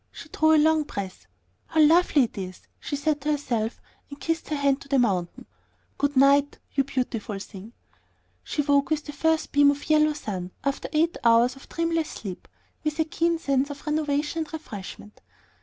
She drew a long breath. "How lovely it is!" she said to herself, and kissed her hand to the mountain. "Good night, you beautiful thing." She woke with the first beam of yellow sun, after eight hours of dreamless sleep, with a keen sense of renovation and refreshment.